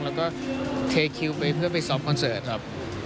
แล้วก็เทคิวไปเพื่อไปซ้อมคอนเสิร์ตครับ